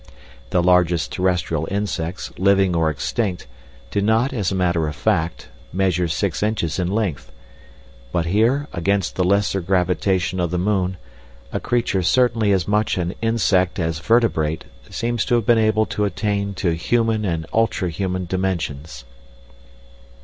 The largest terrestrial insects, living or extinct, do not, as a matter of fact, measure six inches in length; "but here, against the lesser gravitation of the moon, a creature certainly as much an insect as vertebrate seems to have been able to attain to human and ultra human dimensions."